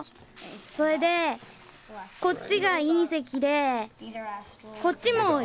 それでこっちが隕石でこっちも隕石なの。